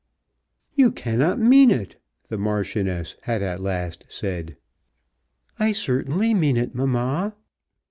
"You cannot mean it!" the Marchioness had at last said. "I certainly mean it, mamma."